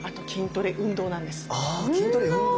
あ筋トレ運動。